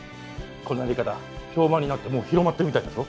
この売り方評判になってもう広まってるみたいだぞ。